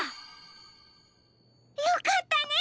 よかったね！